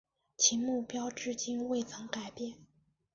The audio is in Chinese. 其目标至今未曾改变。